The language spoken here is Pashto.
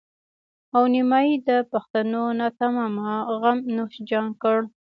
او نيمایي د پښتنو ناتمامه غم نوش جان کړه.